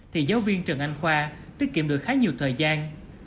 thì giáo viên trần anh khoa tiết kiệm được khá nhiều thời gian